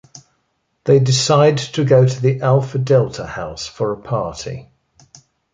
They decide to go to the Alpha-Delta house for a party.